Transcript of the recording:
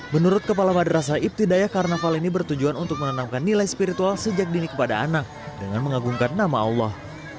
menurut kepala madrasah ibtidaya karnaval ini bertujuan untuk menanamkan nilai spiritual sejak dini kepada anak dengan mengagumkan nama allah